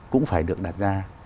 cũng phải được đặt ra